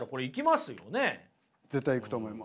絶対行くと思います。